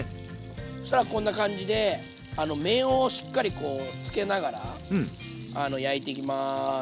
そしたらこんな感じで面をしっかりこうつけながら焼いていきます。